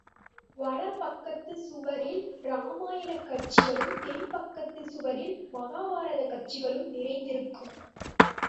வடபக்கத்துச் சுவரில் ராமாயணக் காட்சிகளும், தென்பக்கத்துச் சுவரில் மகாபாரதக் காட்சிகளும் நிறைந்திருக்கும்.